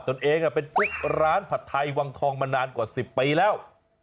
ตัวเองเป็นพวกร้านผัดไทยวังทองมานานกว่า๑๐ปีแล้ว